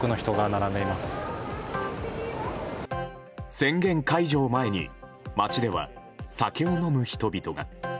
宣言解除を前に街では、酒を飲む人々が。